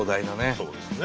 そうですね。